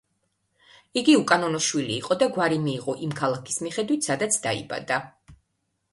იგი უკანონო შვილი იყო და გვარი მიიღო იმ ქალაქის მიხედვით, სადაც დაიბადა.